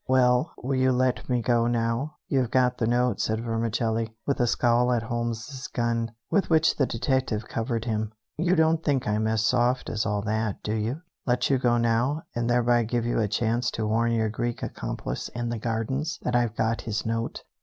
"Well, will you let me go now? You've got the note," said Vermicelli, with a scowl at Holmes's gun, with which the detective still covered him. "You don't think I'm so soft as all that, do you? Let you go now, and thereby give you a chance to warn your Greek accomplice in the gardens that I've got his note?